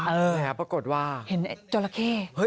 แล้วปรากฏว่าเห็นจรเข้